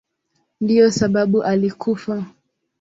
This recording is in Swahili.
Ndiyo sababu alikufa.